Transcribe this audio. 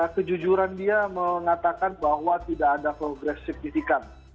kejujuran dia mengatakan bahwa tidak ada progresif titikan